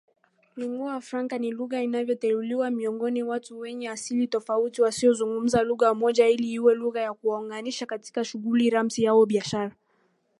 Lingua Franka ni lugha inayoteuliwa miongoni watu wenye asili tofauti wasiozungumza lugha moja ili iwe lugha ya kuwaunganisha katika shughuli rasmi au za kibiashara.